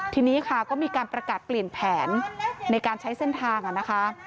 ทีนี้ค่ะก็มีการประกาศเปลี่ยนแผนในการใช้เส้นทางนะคะ